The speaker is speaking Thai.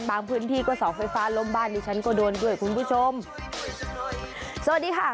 บางพื้นที่ก็สอบไฟฟ้าลมบ้านอยู่ชั้นกระโดนด้วยคุณผู้ชมสวัสดีค่ะ